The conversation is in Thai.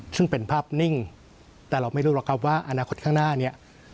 ซึ่งเป็นภาพนิ่งแต่เราไม่รู้หรอกครับว่าอนาคตข้างหน้าเนี่ย